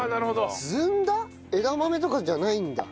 枝豆とかじゃないんだ。